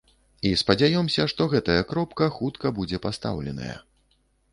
І, спадзяёмся, што гэтая кропка хутка будзе пастаўленая.